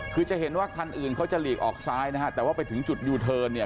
คือจะเห็นว่าคันอื่นเขาจะหลีกออกซ้ายนะฮะแต่ว่าไปถึงจุดยูเทิร์นเนี่ย